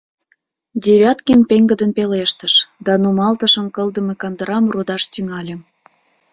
Девяткин пеҥгыдын пелештыш да нумалтышым кылдыме кандырам рудаш тӱҥале.